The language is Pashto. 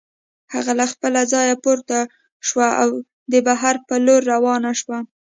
هغې له خپله ځايه پورته شوه او د بهر په لور روانه شوه.